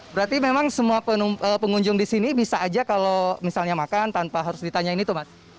berarti memang semua pengunjung di sini bisa aja kalau misalnya makan tanpa harus ditanyain itu mas